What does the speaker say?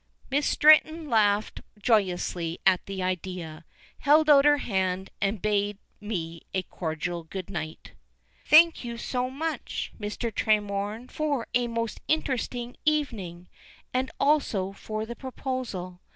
Miss Stretton laughed joyously at the idea, held out her hand, and bade me a cordial good night. "Thank you so much, Mr. Tremorne for a most interesting evening, and also for the proposal.